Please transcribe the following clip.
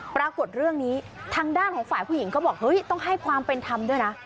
ปรากฏเรื่องนี้ทางด้านของฝ่ายผู้หญิงเขาบอกเฮ้ยต้องให้ความเป็นธรรมด้วยนะ